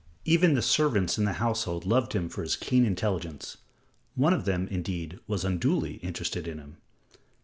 Even the servants in the household loved him for his keen intelligence. One of them, indeed, was unduly interested in him.